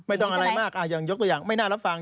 ไม่ต้องอะไรมากอย่างยกตัวอย่างไม่น่ารับฟัง